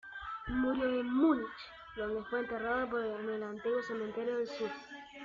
Murió en Múnich, donde fue enterrado en el Antiguo Cementerio del Sur.